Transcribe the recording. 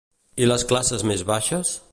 I les classes més baixes?